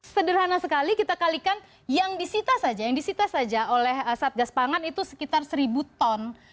sederhana sekali kita kalikan yang disita saja yang disita saja oleh satgas pangan itu sekitar seribu ton